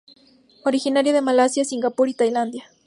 Originaria de Malasia, Singapur y Tailandia.